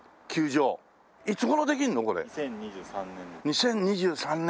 ２０２３年。